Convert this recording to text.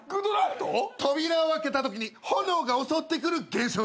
扉を開けたときに炎が襲ってくる現象だ。